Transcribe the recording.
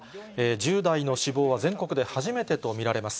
１０代の死亡は全国で初めてと見られます。